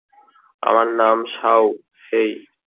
আমার নাম শাও হেই।